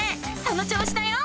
その調子だよ！